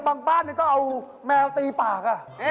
บ้านก็เอาแมวตีปาก